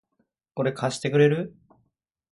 これ、貸してくれる？